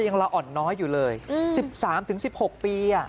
ละอ่อนน้อยอยู่เลย๑๓๑๖ปี